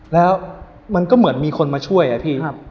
แล้วมันก็เหมือนมีคนมาช่วยอะพี่